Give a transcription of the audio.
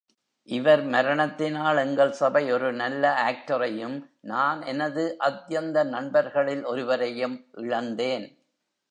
இவர் மரணத்தினால் எங்கள் சபை ஒரு நல்ல ஆக்டரையும், நான் எனது அத்யந்த நண்பர்களில் ஒருவரையும் இழந்தேன்.